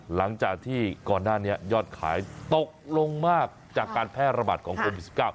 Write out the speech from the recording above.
หลังจากที่ก่อนหน้านี้ยอดขายตกลงมากจากการแพร่ระบาดของโควิด๑๙